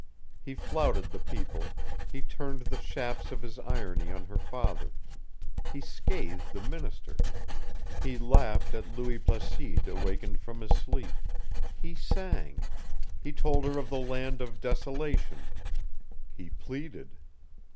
He flouted the people, he turned the shafts of his irony on her father, he scathed the minister, he laughed at Louis Placide awakened from his sleep, he sang, he told her of the land of desolation, he pleaded.